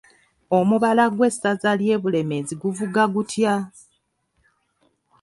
Omubala gw'Essaza ly'Ebulemeezi guvuga gutya?